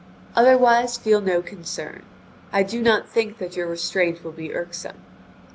Otherwise feel no concern. I do not think that your restraint will be irksome."